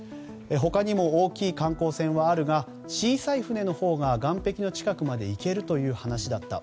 他にも大きい観光船はあるが小さい船のほうが岸壁の近くまで行けるという話だった。